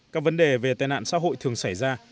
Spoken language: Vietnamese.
các vấn đề về tệ nạn xã hội thường xảy ra